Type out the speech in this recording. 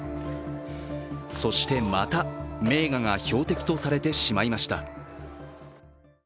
そして、また名画が標的とされてしまいました。